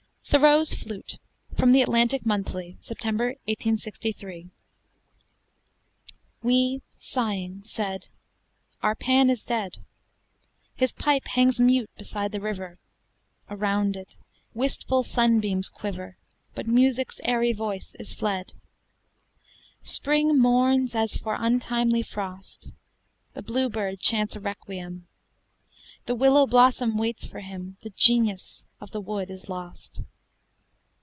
THOREAU'S FLUTE From the Atlantic Monthly, September, 1863 We, sighing, said, "Our Pan is dead; His pipe hangs mute beside the river; Around it wistful sunbeams quiver, But Music's airy voice is fled. Spring mourns as for untimely frost; The bluebird chants a requiem; The willow blossom waits for him; The Genius of the wood is lost."